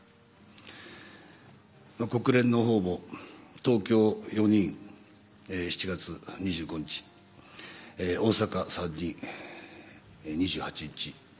国連のほうも東京４人、７月２５日大阪３人、２８日。